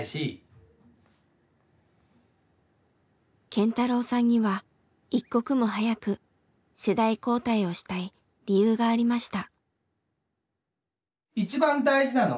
健太郎さんには一刻も早く世代交代をしたい理由がありました。